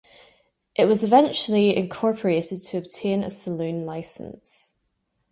It was eventually incorporated to obtain a saloon license.